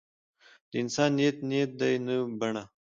د انسان نیت نیت دی نه بڼه.